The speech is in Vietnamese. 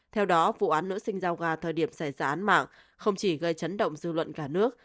theo đó vụ án nữ sinh giao gà thời điểm xảy ra án mạng không chỉ gây chấn động dư luận cả nước